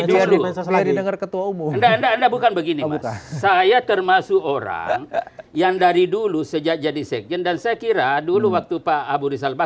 dulu selain dengar ketua umum anda anda bukan begini saya termasuk orang yang dari dulu sejak jadi sejen dan saya kira dulu waktu pak abu rizal bahru